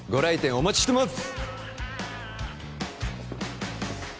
お待ちしてます！